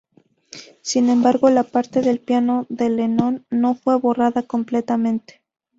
Sin embargo, la parte del piano de Lennon no fue borrada completamente.